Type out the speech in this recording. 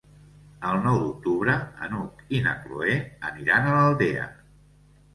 El nou d'octubre n'Hug i na Cloè aniran a l'Aldea.